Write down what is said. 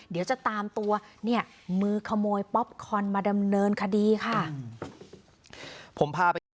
เดี๋ยวจะตามตัวเนี่ยมือขโมยป๊อปคอนมาดำเนินคดีค่ะ